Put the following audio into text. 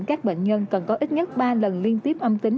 các bệnh nhân cần có ít nhất ba lần liên tiếp âm tính